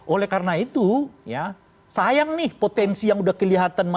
oleh karena itu ya sayang nih potensi yang udah kelihatan mahal